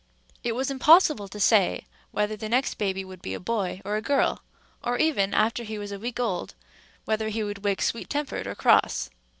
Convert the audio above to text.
It was impossible to say whether the next baby would be a boy, or a girl, or even, after he was a week old, whether he would wake sweet tempered or cross.